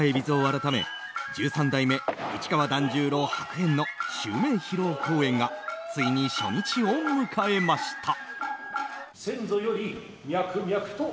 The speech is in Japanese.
改め十三代目市川團十郎白猿の襲名披露公演がついに初日を迎えました。